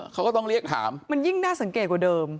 เขาก็ต้องเรียกถามมันยิ่งน่าสังเกตกว่าเดิม